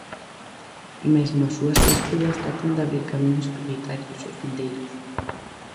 Mesmo as súas pescudas tratan de abrir camiños prioritarios aos vindeiros.